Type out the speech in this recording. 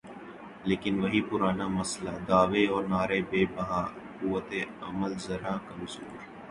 لیکن وہی پرانا مسئلہ، دعوے اور نعرے بے بہا، قوت عمل ذرا کمزور۔